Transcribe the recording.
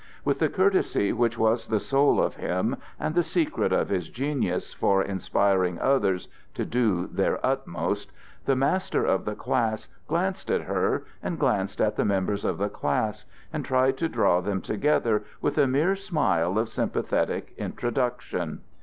With the courtesy which was the soul of him and the secret of his genius for inspiring others to do their utmost, the master of the class glanced at her and glanced at the members of the class, and tried to draw them together with a mere smile of sympathetic introduction.